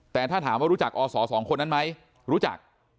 แต่ถ้าถามว่ารู้จักอศสองคนนั้นไหมรู้จัก